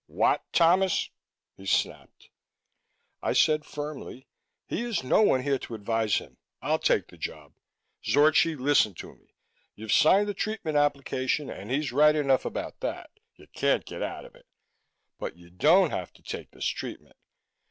"What, Thomas?" he snapped. I said firmly, "He has no one here to advise him I'll take the job. Zorchi, listen to me! You've signed the treatment application and he's right enough about that you can't get out of it. _But you don't have to take this treatment!